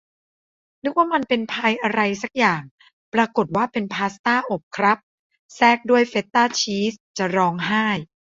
นึกว่ามันเป็นพายอะไรซักอย่าง ปรากฏว่าเป็นพาสต้าอบครับ แทรกด้วยเฟตต้าชีส จะร้องไห้